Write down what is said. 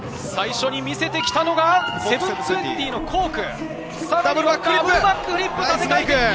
最初に見せてきたのが、７２０のコーク。